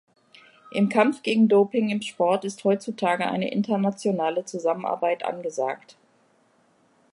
Im Kampf gegen Doping im Sport ist heutzutage eine internationale Zusammenarbeit angesagt.